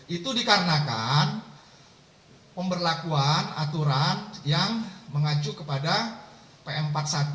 itu dikarenakan pemberlakuan aturan yang mengacu kepada pm empat puluh satu dua ribu dua puluh